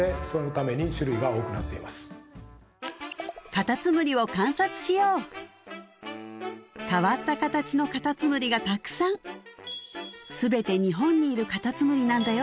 カタツムリを観察しよう変わった形のカタツムリがたくさん全て日本にいるカタツムリなんだよ